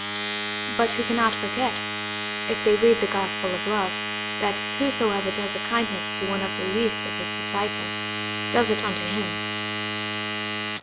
but who cannot forget, if they read the gospel of love, that whosoever does a kindness to one of the least of His disciples, does it unto Him.